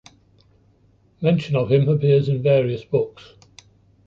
Mention of him appears in various books.